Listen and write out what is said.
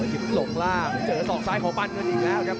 หลงร่างเจอส่องซ้ายของธนาปันเกิดอีกแล้วครับ